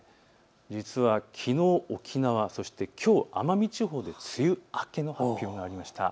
実はきのう沖縄、そしてきょう奄美地方で梅雨明けの発表がありました。